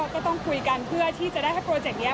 ก็ต้องคุยกันเพื่อที่จะได้ให้โปรเจกต์นี้